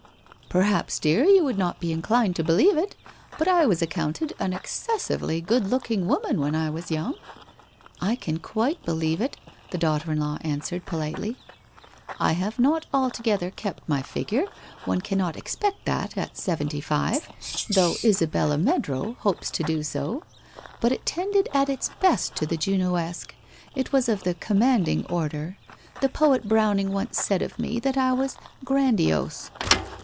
* Perhaps, dear, you would not be inclined to believe it, but I was accounted an excessively good looking woman when I was young/ ' I can quite believe it,' the daughter in law answered, politely. ' I have not altogether kept my figure, one cannot expect that at seventy five, though Isabella Meadrow hopes to do so. But it tended at its best to the Junoesque — it was of the commanding order. The poet Browning once said of me that I was grandiose.